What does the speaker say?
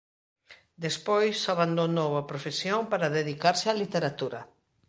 Despois abandonou a profesión para dedicarse á literatura.